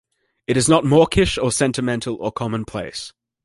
It is not mawkish or sentimental or commonplace.